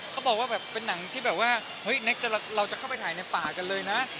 เขาบอกว่าแบบนังที่เราเข้าไปถ่ายในป่ากันเลยนะ